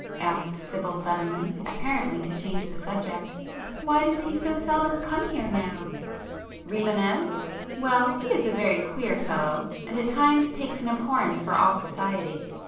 asked Sibyl suddenly, apparently to change the subject—"Why does he so seldom come here now?" "Rimânez? Well, he is a very queer fellow, and at times takes an abhorrence for all society.